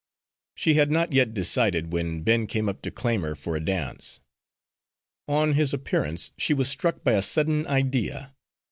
She had not yet decided, when Ben came up to claim her for a dance. On his appearance, she was struck by a sudden idea.